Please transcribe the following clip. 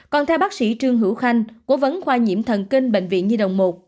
còn theo bác sĩ trương hữu khanh cố vấn khoa nhiễm thần kinh bệnh viện nhi đồng một